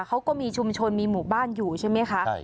เขาก็มีชุมชนมีหมู่บ้านอยู่ใช่ไหมคะ